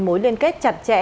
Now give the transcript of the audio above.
mối liên kết chặt chẽ